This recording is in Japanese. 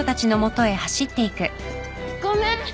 ごめん！